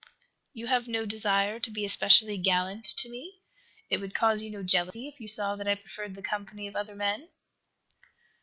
"You have no desire to be especially gallant to me? It would cause you no jealousy if you, saw that I preferred the company of other men?"